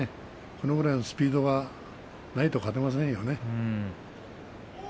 これぐらいのスピードがないと勝てませんよね。